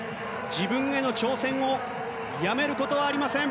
自分への挑戦をやめることはありません。